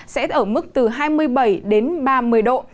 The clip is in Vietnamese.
sẽ ở mức hai mươi bảy ba mươi độ